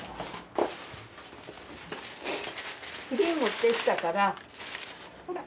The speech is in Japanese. プリン持ってきたからほら。